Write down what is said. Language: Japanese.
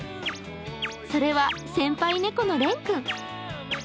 それは、先輩猫のレン君。